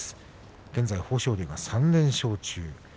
現在、豊昇龍の３連勝中。